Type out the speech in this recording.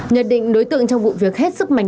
nhận định đối tượng trong vụ việc hết sức mạnh